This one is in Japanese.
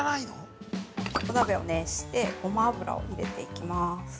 ◆お鍋を熱してごま油を入れていきます。